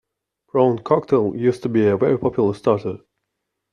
Prawn cocktail used to be a very popular starter